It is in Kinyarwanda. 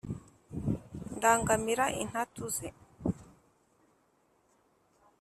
ndangamira intantu ze